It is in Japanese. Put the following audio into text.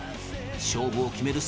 勝負を決める